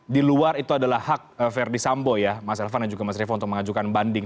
di luar itu adalah hak verdi sambo ya mas elvan dan juga mas revo untuk mengajukan banding